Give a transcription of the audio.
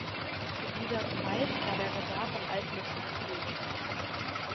Zu dieser Zeit war der Bedarf an Altmetall hoch.